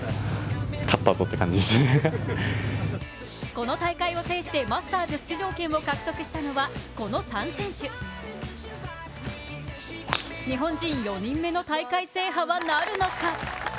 この大会を制してマスターズ出場権を獲得したのは、この３選手。日本人４人目の大会制覇は、なるのか？